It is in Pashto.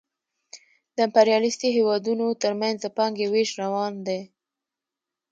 د امپریالیستي هېوادونو ترمنځ د پانګې وېش روان دی